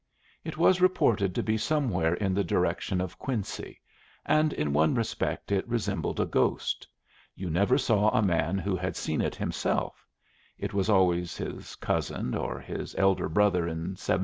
It was reported to be somewhere in the direction of Quincy, and in one respect it resembled a ghost: you never saw a man who had seen it himself; it was always his cousin, or his elder brother in '79.